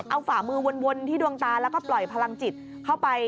เอาฝ่ามือวนที่ดวงตาแล้วก็ปล่อยพลังจิตเข้าไป